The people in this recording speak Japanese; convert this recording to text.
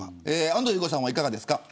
安藤さんは、いかがですか。